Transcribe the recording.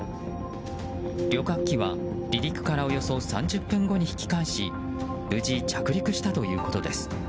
旅客機は離陸からおよそ３０分後に引き返し無事、着陸したということです。